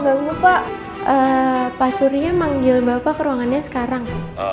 pak pak nggak lupa pak surya manggil bapak ke ruangannya sekarang